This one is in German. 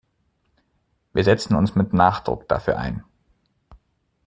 Wir setzen uns mit Nachdruck dafür ein.